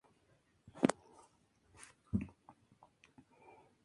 En la actualidad lidera su propia banda, llamada "Mickey Leigh Band".